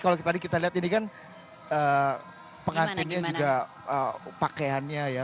kalau tadi kita lihat ini kan pengantinnya juga pakaiannya ya